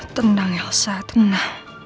tendang elsa tendang